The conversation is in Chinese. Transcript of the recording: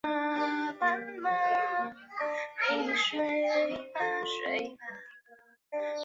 罗格尼向雷达介绍在开放剧院发展的现代剧院风格和方法。